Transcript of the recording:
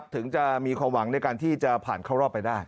ถึงจะมีความหวังในการที่จะผ่านเข้ารอบไปได้